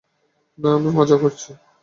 না, আমি মজা করছি।